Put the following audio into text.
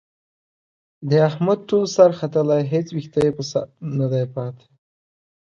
د احمد ټول سر ختلی، هېڅ وېښته یې په سر ندی پاتې.